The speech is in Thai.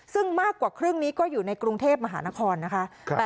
ซึ่งมากกว่าครึ่งนี้ก็อยู่ในกรุงเทพมหานครนะคะ